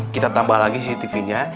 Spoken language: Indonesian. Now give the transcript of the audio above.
kita tambah lagi cctv nya